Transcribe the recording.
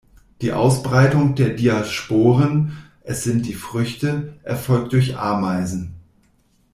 Die Ausbreitung der Diasporen, es sind die Früchte, erfolgt durch Ameisen.